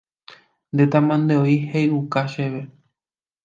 ndetamantevoi he'iuka chéve